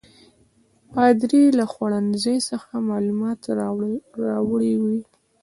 پادري له خوړنځای څخه معلومات راوړي ول.